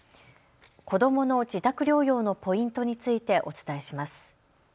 子どもの自宅療養のポイントについてお伝えします。